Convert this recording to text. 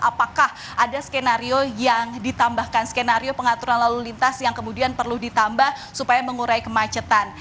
apakah ada skenario yang ditambahkan skenario pengaturan lalu lintas yang kemudian perlu ditambah supaya mengurai kemacetan